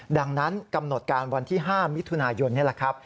ดังนั้นกำหนดการวันที่๕มิถุนายนนี่แหละครับ